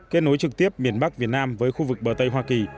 kết nối trực tiếp miền bắc việt nam với khu vực bờ tây hoa kỳ